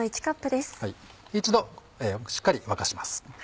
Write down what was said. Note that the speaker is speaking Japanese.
一度しっかり沸かします。